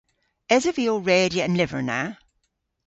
Esov vy ow redya an lyver na?